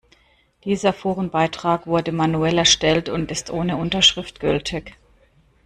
Dieser Forenbeitrag wurde manuell erstellt und ist ohne Unterschrift gültig.